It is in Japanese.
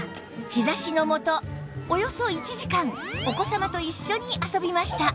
日差しの下およそ１時間お子様と一緒に遊びました